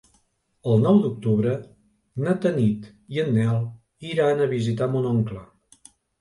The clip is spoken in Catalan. El nou d'octubre na Tanit i en Nel iran a visitar mon oncle.